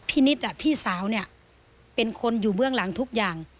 นิดพี่สาวเนี่ยเป็นคนอยู่เบื้องหลังทุกอย่าง